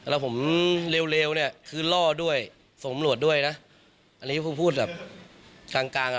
แล้วผมเลวนี่คือนรอดด้วยส่งป๋องหมดด้วยนะอันนี้พวกเขาพูดแบบทาง